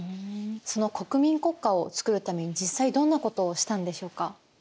その国民国家を作るために実際どんなことをしたんでしょうか？